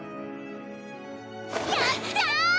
やった！